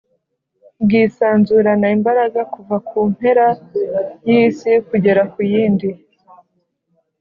Bwisanzurana imbaraga kuva ku mpera y’isi kugera ku yindi,